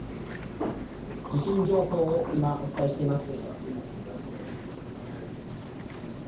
地震情報を今、お伝えしています。